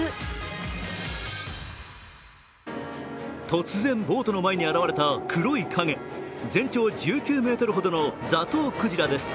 突然、ボートの前に現れた黒い影全長１９ｍほどのザトウクジラです。